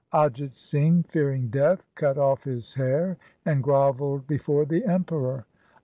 Ajit Singh, fearing death, cut off his hair, and grovelled before the Emperor.